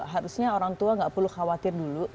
harusnya orang tua nggak perlu khawatir dulu